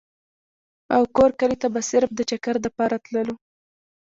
او کور کلي ته به صرف د چکر دپاره تللو ۔